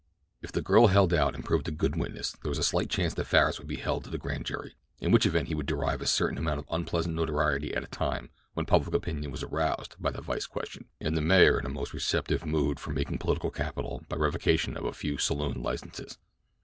If the girl held out and proved a good witness there was a slight chance that Farris would be held to the Grand Jury, in which event he would derive a certain amount of unpleasant notoriety at a time when public opinion was aroused by the vice question, and the mayor in a most receptive mood for making political capital by revocation of a few saloon licenses.